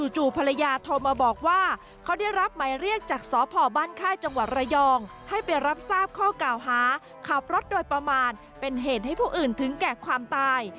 ภรรยาโทรมาบอกว่าเขาได้รับหมายเรียกจากสพบ้านค่ายจังหวัดระยองให้ไปรับทราบข้อกล่าวหาขับรถโดยประมาณเป็นเหตุให้ผู้อื่นถึงแก่ความตาย